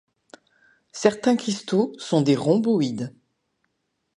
Certains cristaux sont des rhomboïdes.